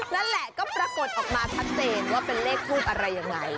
นั่นแหละก็ปรากฏออกมาชัดเจนว่าเป็นเลขทูบอะไรยังไง